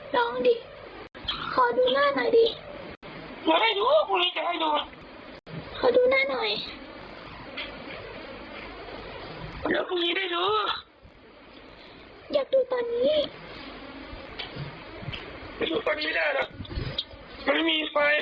ลองดิขอดูหน้าหน่อยดิอยากดูหน้าหน่อยอยากดูตอนนี้